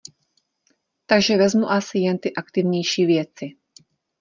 Takže vezmu asi jen ty aktivnější věci.